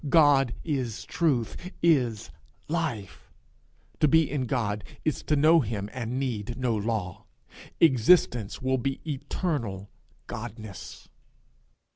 God is truth, is life; to be in God is to know him and need no law. Existence will be eternal Godness.